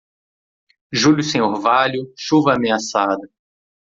Julho sem orvalho, chuva ameaçada.